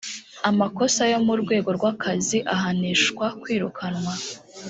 amakosa yo mu rwego rw’akazi ahanishwa kwirukanwa